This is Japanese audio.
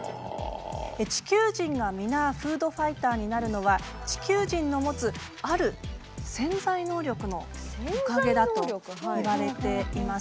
地球人が皆フードファイターになるのは地球人の持つある潜在能力のおかげだといわれています。